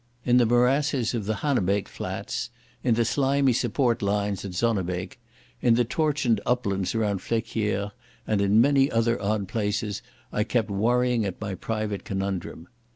In the morasses of the Haanebeek flats, in the slimy support lines at Zonnebeke, in the tortured uplands about Flesquieres, and in many other odd places I kept worrying at my private conundrum.